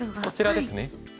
こちらですね。